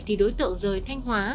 thì đối tượng rơi thanh hóa